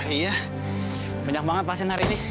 iya banyak banget pasien hari ini